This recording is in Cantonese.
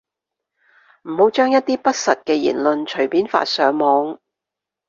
唔好將一啲不實嘅言論隨便發上網